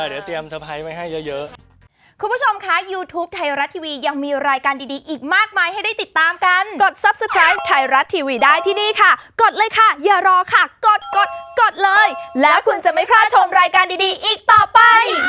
เออเดี๋ยวเตรียมสไพรส์มาให้เยอะ